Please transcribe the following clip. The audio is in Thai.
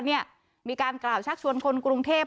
มีการกล่าวชักชวนคนกรุงเทพ